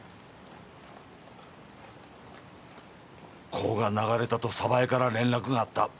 「子が流れたと鯖江から連絡があった」